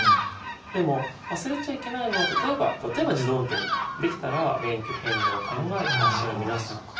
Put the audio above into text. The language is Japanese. でも忘れちゃいけないのは例えば自動運転できたら免許返納考えてらっしゃる皆さん。